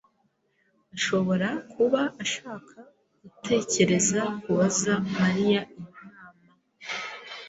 ashobora kuba ashaka gutekereza kubaza Mariya inama.